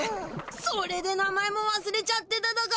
それで名前もわすれちゃってただか。